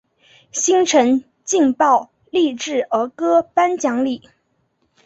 新城劲爆励志儿歌颁奖礼。